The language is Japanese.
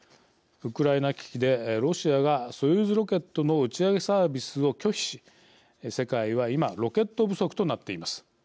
ウクライナ危機で、ロシアがソユーズロケットの打ち上げサービスを拒否し世界は今ロケット不足となっています。